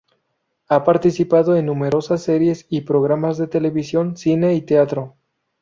Ha participado en numerosas series y programas de televisión, cine y teatro.